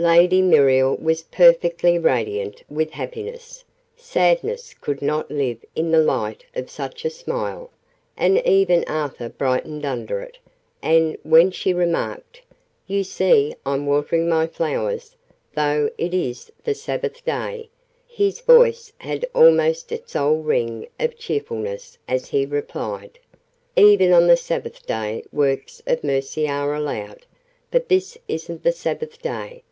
Lady Muriel was perfectly radiant with happiness: sadness could not live in the light of such a smile: and even Arthur brightened under it, and, when she remarked "You see I'm watering my flowers, though it is the Sabbath Day," his voice had almost its old ring of cheerfulness as he replied "Even on the Sabbath Day works of mercy are allowed. But this isn't the Sabbath Day.